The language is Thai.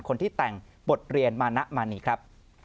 คนที่แต่งบทเรียนมานะมานีครับ